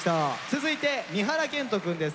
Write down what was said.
続いて三原健豊くんです。